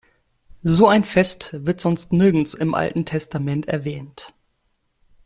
So ein Fest wird sonst nirgends im Alten Testament erwähnt.